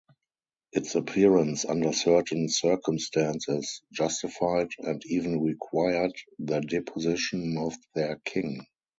Its appearance under certain circumstances justified and even required the deposition of their king.